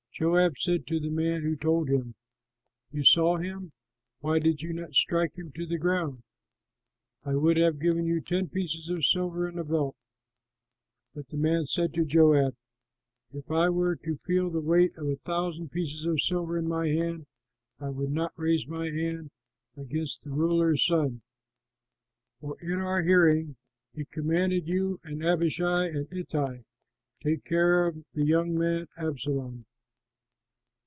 Joab said to the man who told him, "You saw him! Why did you not strike him to the ground? I would have given you ten pieces of silver and a belt." But the man said to Joab, "If I were to feel the weight of a thousand pieces of silver in my hand, I would not raise my hand against the ruler's son, for in our hearing he commanded you and Abishai and Ittai, 'Take care of the young man Absalom.'